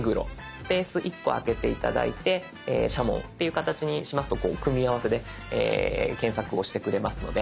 スペース１個空けて頂いて「社紋」っていう形にしますと組み合わせで検索をしてくれますので。